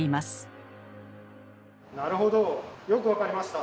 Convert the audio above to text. なるほどよく分かりました。